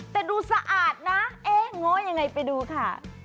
แต่ดูสะอาดนะเอ๊ะโง่ยังไงไปดูค่ะ